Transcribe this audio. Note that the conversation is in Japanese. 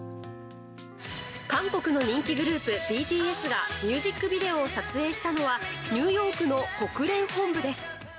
韓国の人気グループＢＴＳがミュージックビデオを撮影したのはニューヨークの国連本部です。